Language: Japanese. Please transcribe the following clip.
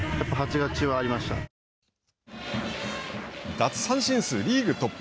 奪三振数、リーグトップ。